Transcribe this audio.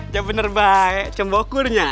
jangan bener bener cembokurnya